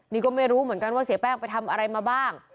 นี่ก็ไม่รู้เหมือนกันว่าเสียแป้งไปทำอะไรมาบ้าง